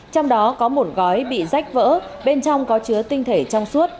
trong đó có một gói bị rách vỡ bên trong có chứa tinh thể trong suốt